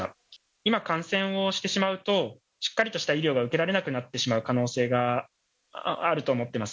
今、感染をしてしまうと、しっかりとした医療が受けられなくなってしまう可能性があると思ってます。